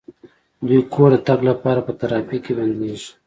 دوی کور ته د تګ لپاره په ترافیک کې بندیږي